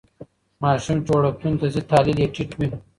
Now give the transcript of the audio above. ماشوم چې وړکتون ته ځي تحلیل یې ټیټ وي.